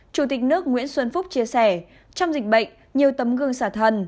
chủ tịch nước nguyễn xuân phúc chia sẻ trong dịch bệnh nhiều tấm gương xả thần